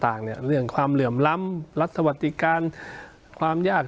เรื่องความเหลื่อมล้ำรัฐสวัสดิการความยาก